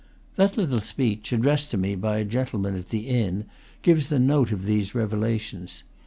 That little speech, addressed to me by a gentleman at the inn, gives the note of these revelations.